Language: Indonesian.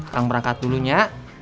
kang berangkat dulunya